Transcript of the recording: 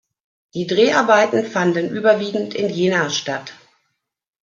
Die Dreharbeiten fanden überwiegend in Jena statt.